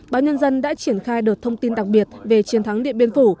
báo nhân dân đã triển khai đợt thông tin đặc biệt về chiến thắng điện biên phủ